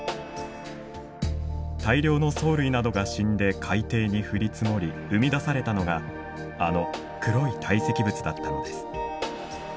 大量の藻類などが死んで海底に降り積もり生み出されたのがあの黒い堆積物だったのです。